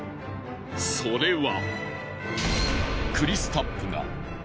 それは。